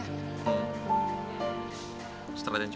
hmm setelah itu cukup ya